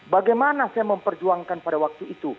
bagaimana saya memperjuangkan pada waktu itu